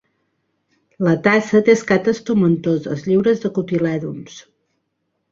La tassa té escates tomentoses, lliures de cotilèdons.